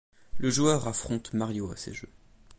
Le joueur affronte Mario à ces jeux.